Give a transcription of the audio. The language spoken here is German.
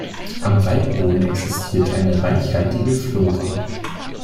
Am Waldboden existiert eine reichhaltige Flora.